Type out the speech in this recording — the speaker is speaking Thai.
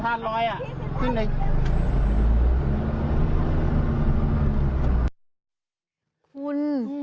ภายใจหยุดเต้น